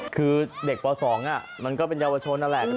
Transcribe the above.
คือเด็กป่าวสองอ่ะมันก็เป็นเยาวชนน่ะแหละอืม